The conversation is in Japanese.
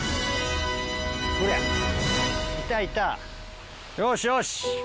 ほらいたいたよしよし。